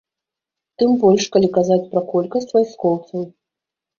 Тым больш, калі казаць пра колькасць вайскоўцаў.